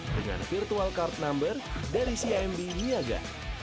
dengan virtual card number dari cimd niaga